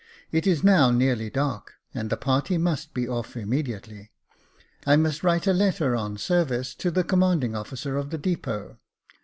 It is now nearly dark, and the party must be off immediately. I must write a letter on service to the commandiug officer of the depot.